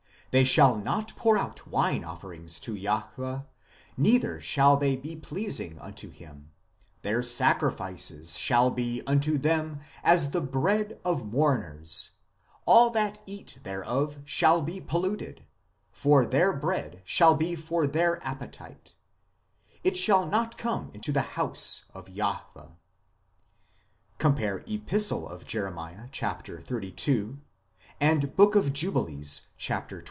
They shall not pour out wine offerings to Jahwe, neither shall they be pleasing unto Him : their sacrifices shall be unto them as the bread of mourners ; all that eat thereof shall be polluted : for their bread shall be for their appetite ; it shall not come into the house of Jahwe" (cp. Ep. of Jer. 32, Book of Jubilees xxil 17).